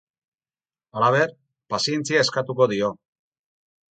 Halaber, pazientzia eskatuko dio.